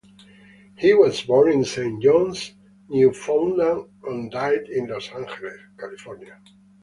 He was born in Saint John's, Newfoundland and died in Los Angeles, California.